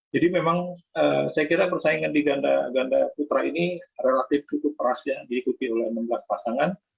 jadi memang saya kira persaingan di ganda putra ini relatif cukup keras yang diikuti oleh enam pasangan